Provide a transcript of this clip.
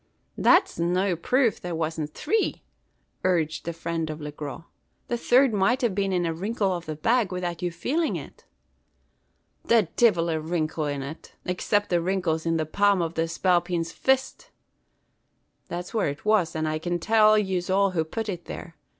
"That's no proof there wasn't three," urged the friend of Le Gros. "The third might have been in a wrinkle of the bag, without your feeling it!" "The divil a wrinkle it was in, except the wrinkles in the palm of that spalpeen's fist! That's where it was; and I can tell yez all who putt it there.